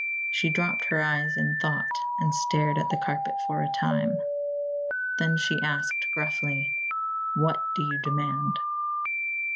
She dropped her eyes in thought and stared at the carpet for a time. Then she asked gruffly: "What do you demand?"